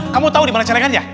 kamu tahu dimana celenggannya